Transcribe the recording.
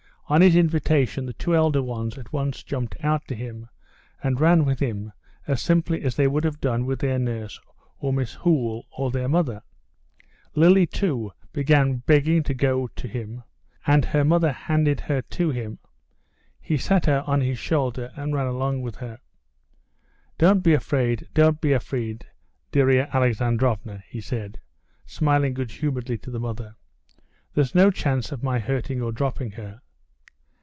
On his invitation, the two elder ones at once jumped out to him and ran with him as simply as they would have done with their nurse or Miss Hoole or their mother. Lily, too, began begging to go to him, and her mother handed her to him; he sat her on his shoulder and ran along with her. "Don't be afraid, don't be afraid, Darya Alexandrovna!" he said, smiling good humoredly to the mother; "there's no chance of my hurting or dropping her."